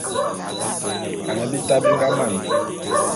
Ane bita bi nga man.